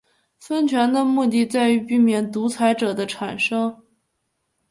分权的目的在于避免独裁者的产生。